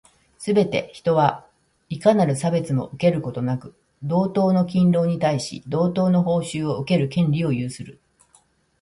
すべて人は、いかなる差別をも受けることなく、同等の勤労に対し、同等の報酬を受ける権利を有する。